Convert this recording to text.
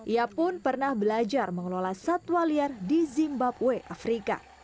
ia pun pernah belajar mengelola satwa liar di zimbabwe afrika